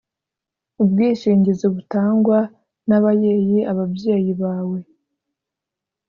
Ubwishingizi butangwa nabayeyi Ababyeyi bawe.